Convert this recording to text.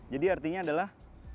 jadi artinya adalah